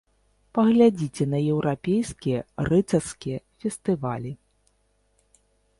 Паглядзіце на еўрапейскія рыцарскія фестывалі.